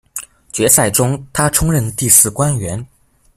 决赛中，他充任第四官员。